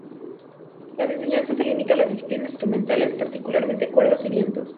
La enseñanza se limita a las disciplinas instrumentales, particularmente cuerdas y vientos.